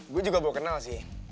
gue juga mau kenal sih